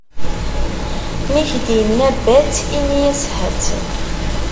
Mi k-d-inna: bat, ini-yas: ḥatt.